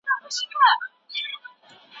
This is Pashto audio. ولي هوډمن سړی د هوښیار انسان په پرتله بریا خپلوي؟